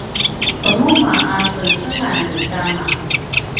qemuma a sengsengan ni kama